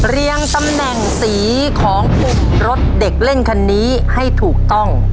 เรียงตำแหน่งสีของกลุ่มรถเด็กเล่นคันนี้ให้ถูกต้อง